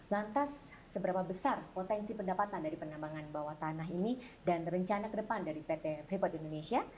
lantas seberapa besar potensi pendapatan dari penambangan bawah tanah ini dan rencana ke depan dari pt freeport indonesia